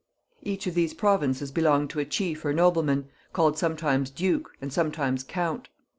Each of these pro vinces belonged to a chief or nobleman, called sometimes Duke and sometimes Count.